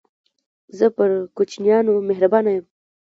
زه پر کوچنيانو مهربانه يم.